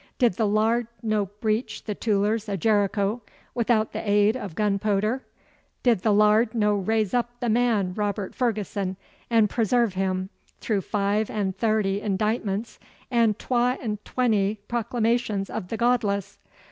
'Did the Lard no breach the too'ers o' Jericho withoot the aid o' gunpooder? Did the Lard no raise up the man Robert Ferguson and presairve him through five and thairty indictments and twa and twenty proclamations o' the godless?